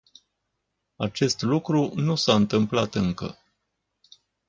Acest lucru nu s-a întâmplat încă.